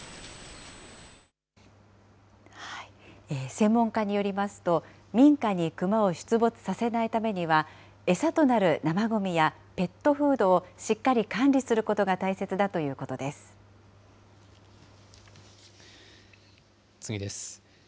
専門家によりますと、民家にクマを出没させないためには、餌となる生ごみやペットフードをしっかり管理することが大切だと次です。